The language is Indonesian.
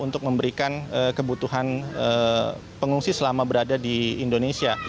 untuk memberikan kebutuhan pengungsi selama berada di indonesia